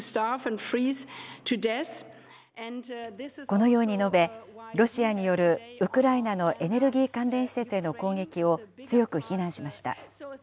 このように述べ、ロシアによるウクライナのエネルギー関連施設への攻撃を強く非難しました。